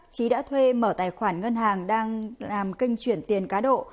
chí đã thuê mở tài khoản ngân hàng đang làm kinh chuyển tiền cá độ